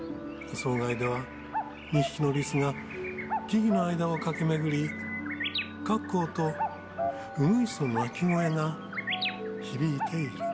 窓外では２匹のリスが木々の間を駆け巡り、カッコウとウグイスの鳴き声が響いている。